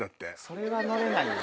それは乗れないよね。